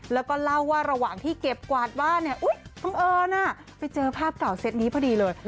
แล้วก็เล่าว่าระหว่างที่เก็บกวาดบ้านเนี่ยบังเอิญไปเจอภาพเก่าเซตนี้พอดีเลย